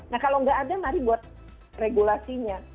nah kalau nggak ada mari buat regulasinya